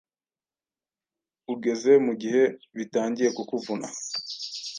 ugeze mugihe bitangiye kukuvuna